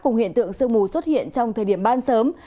cùng hiện tượng sương mù xuất hiện trong thời điểm ban sớm